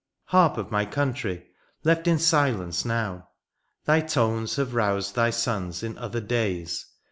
Harp of my country, left in silence now. Thy tones have roused thy sons in other days.